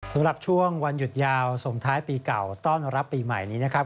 สำหรับช่วงวันหยุดยาวส่งท้ายปีเก่าต้อนรับปีใหม่นี้นะครับ